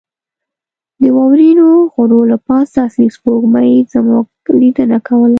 د واورینو غرو له پاسه اصلي سپوږمۍ زموږ لیدنه کوله.